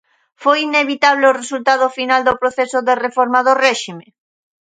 Foi inevitable o resultado final do proceso de reforma do réxime?